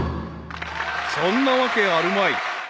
［そんなわけあるまい］